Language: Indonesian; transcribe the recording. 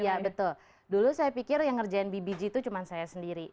iya betul dulu saya pikir yang ngerjain bbg itu cuma saya sendiri